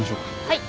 はい。